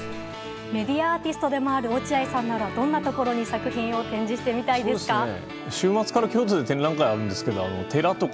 メディアアーティストでもある落合さんならどんなところに作品を展示してみたいですか？